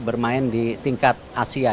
bermain di tingkat asia